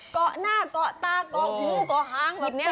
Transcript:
เกาะหน้าเกาะตาเกาะหูเกาะหางแบบนี้